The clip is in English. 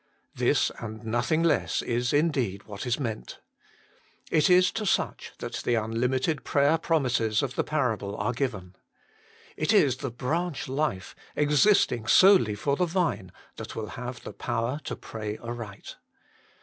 This, and nothing less, is indeed what is meant. It is to such that the unlimited prayer promises of the parable are given. It is the branch life, existing solely for the Vine, that will have the power to pray aright.